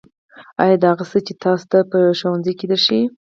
ایا دا هغه څه دي چې تاسو ته په ښوونځي کې درښیي